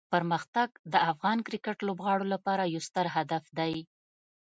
پرمختګ د افغان کرکټ لوبغاړو لپاره یو ستر هدف دی.